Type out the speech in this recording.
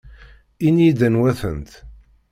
Ini-iyi-d anwa-tent.